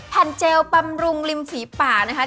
แผ่นเจลปำรุงริมฝีปากนะคะ